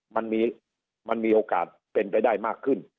มันมีโอกาสเป็นไปได้มากขึ้น